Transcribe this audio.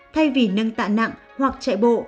thay vì nâng tạ nặng hoặc chạy bộ